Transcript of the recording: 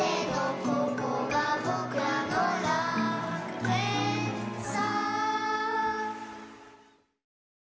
「ここがぼくらの楽園さ」